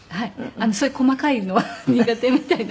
そういう細かいのは苦手みたいなので。